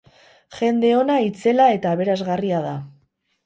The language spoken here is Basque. Jende ona itzela eta aberasgarria da.